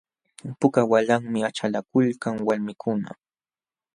Puka waliwanmi achalakulkan walmikuna.